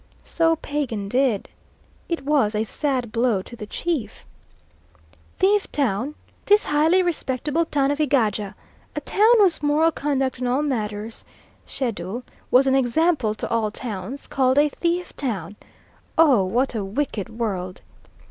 So Pagan did. It was a sad blow to the chief. "Thief town, this highly respectable town of Egaja! a town whose moral conduct in all matters (Shedule) was an example to all towns, called a thief town! Oh, what a wicked world!"